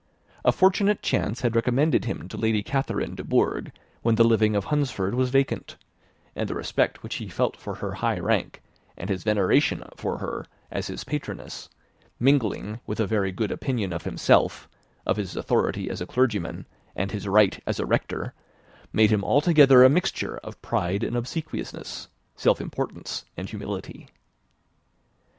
A fortunate chance had recommended him to Lady Catherine de Bourgh when the living of Hunsford was vacant; and the respect which he felt for her high rank, and his veneration for her as his patroness, mingling with a very good opinion of himself, of his authority as a clergyman, and his right as a rector, made him altogether a mixture of pride and obsequiousness, self importance and humility.